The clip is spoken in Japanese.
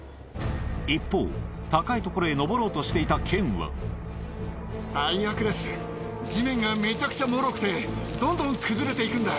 一方高い所へ登ろうとしていたケンは地面がめちゃくちゃもろくてどんどん崩れて行くんだ。